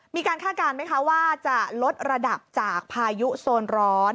มีการค่าการไหมคะที่รวมคาวว่าจะลดระดับจากพายุโซนร้อน